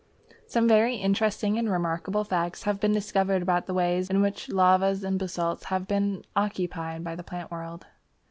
Some very interesting and remarkable facts have been discovered about the way in which lavas and basalts have been occupied by the plant world.